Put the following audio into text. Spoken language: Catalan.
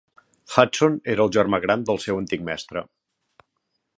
Hudson era el germà gran del seu antic mestre.